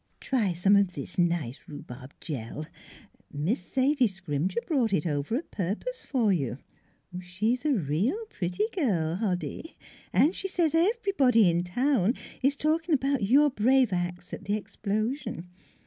t. .." Try some of this nice rhubarb jell. Miss 332 NEIGHBORS 333 Sadie Scrimger brought it over a purpose for you. She's a real pretty girl, Hoddy; and she says everybody in town is talking about your brave acts at the explosion.